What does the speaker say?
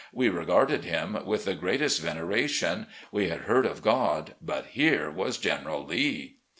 We regarded him with the greatest veneration. We had heard of God, but here was General Lee